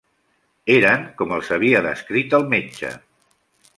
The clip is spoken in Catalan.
Eren com els havia descrit el metge.